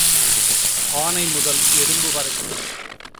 ஆனை முதல் எறும்பு வரைக்கும்.